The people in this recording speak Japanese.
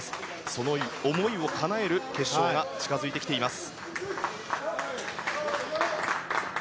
その思いをかなえる決勝が近づいてきています。